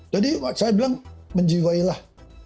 jadi saya bilang menjiwailah